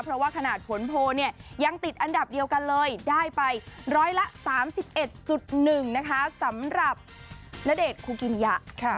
เพราะว่าขนาดผลโพลเนี่ยยังติดอันดับเดียวกันเลยได้ไปร้อยละ๓๑๑นะคะสำหรับณเดชน์คูกิยะ